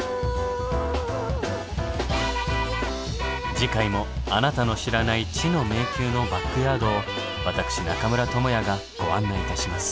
次回もあなたの知らない知の迷宮のバックヤードを私中村倫也がご案内いたします。